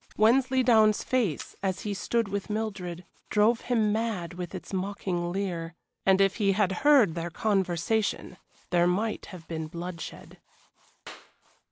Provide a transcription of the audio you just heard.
Wensleydown's face, as he stood with Mildred, drove him mad with its mocking leer, and if he had heard their conversation there might have been bloodshed.